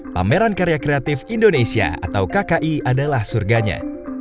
pameran karya kreatif indonesia atau kki adalah surganya